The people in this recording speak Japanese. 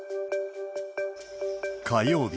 火曜日、